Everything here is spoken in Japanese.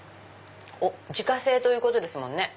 自家製ということですもんね。